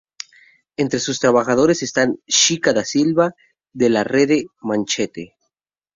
Entre sus trabajos están Xica da Silva de la Rede Manchete.